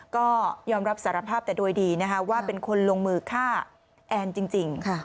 ก็ยอมรับสารภาพแต่โดยดีนะคะว่าเป็นคนลงมือฆ่าแอนจริง